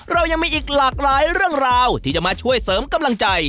เรายังมีอีกหลากหลายเรื่องราวที่จะมาช่วยเสริมกำลังใจ